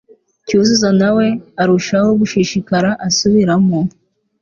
Cyuzuzo na we arushaho gushishikara asubiramo